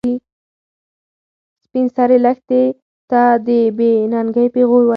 سپین سرې لښتې ته د بې ننګۍ پېغور ورکړ.